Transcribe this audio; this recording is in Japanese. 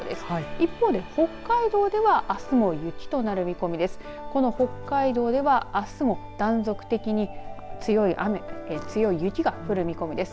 一方で、北海道ではあすも雪となる見込みです。